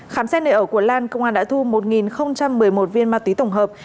khám xét nơi ở của lan công an đã thu một một mươi một viên ma túy tổng hợp